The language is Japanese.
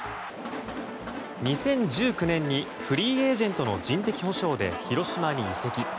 ２０１９年にフリーエージェントの人的補償で広島に移籍。